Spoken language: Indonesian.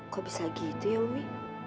kok bisa gitu ya umi